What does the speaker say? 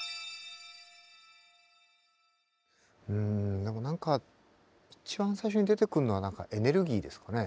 うん何か一番最初に出てくるのは何かエネルギーですかね。